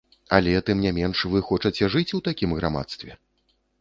Але, тым не менш, вы хочаце жыць у такім грамадстве?